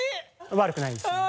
悪くないですね。